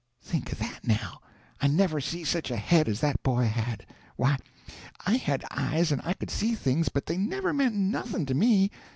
Think of that now. I never see such a head as that boy had. Why, I had eyes and I could see things, but they never meant nothing to me.